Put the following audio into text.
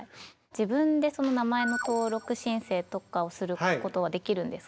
自分でその名前の登録申請とかをすることはできるんですか？